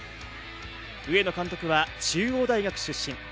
上野監督は中央大学出身。